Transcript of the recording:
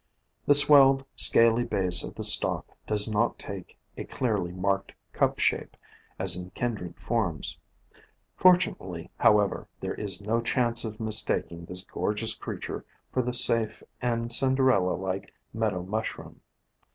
The swelled, scaly base of the stalk does not take a clearly marked cup shape, as in kindred forms. Fortunately, however, there is no chance of mis taking this gorgeous creature for the safe and Cin derella like Meadow Mushroom.